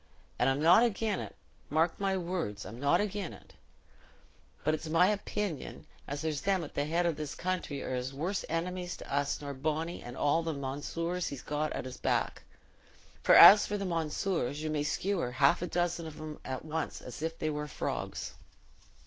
And I'm not again' it—mark my words—I'm not again' it. But it's my opinion as there's them at the head o' this country as are worse enemies to us nor Bony and all the mounseers he's got at 's back; for as for the mounseers, you may skewer half a dozen of 'em at once as if they war frogs.